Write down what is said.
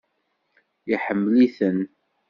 Iḥemmel-iten?